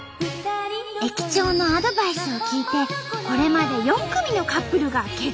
駅長のアドバイスを聞いてこれまで４組のカップルが結婚したんだって。